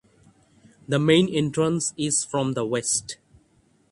The main entrance is from the west.